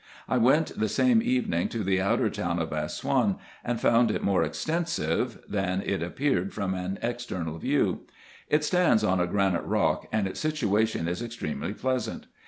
I went the same evening to the outer town of Assouan, and found it more extensive than it appeared from an external view. It stands on a granite rock, and its situation is extremely pleasant.